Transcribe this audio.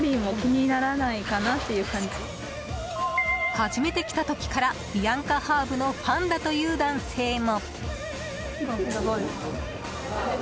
初めて来た時からビアンカハーブのファンだという男性も。